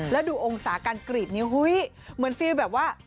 แล้วดูองศาการกรีดนี้เหมือนฟิลแบบว่า